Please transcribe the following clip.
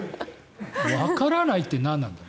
わからないってなんなの？